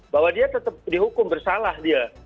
bahwa dia tetap dihukum bersalah dia